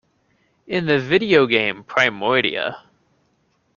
In the videogame "Primordia".